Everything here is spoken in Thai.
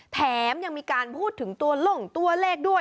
แถมยังมีการพูดถึงตัวลงตัวเลขด้วย